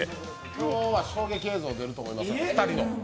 今日は衝撃映像出ると思います、２人の。